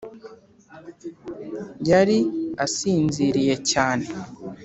yari asinziriye cyane